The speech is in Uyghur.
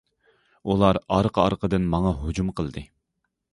ئۇلار ئارقا- ئارقىدىن ماڭا ھۇجۇم قىلدى.